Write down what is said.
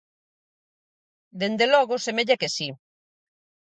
Dende logo, semella que si.